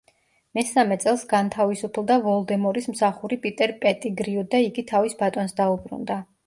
მესამე წელს განთავისუფლდა ვოლდემორის მსახური პიტერ პეტიგრიუ და იგი თავის ბატონს დაუბრუნდა.